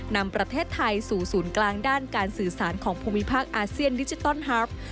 นำประเทศไทยสู่ศูนย์กลางด้านการสื่อสารของภูมิภาคอาเซียนดิจิตอลฮัพ